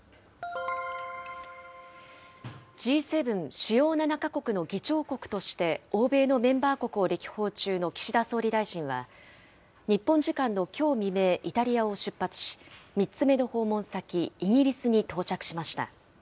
Ｇ７・主要７か国の議長国として、欧米のメンバー国を歴訪中の岸田総理大臣は、日本時間のきょう未明、イタリアを出発し、３つ目の訪問先、イギリスに到着しました。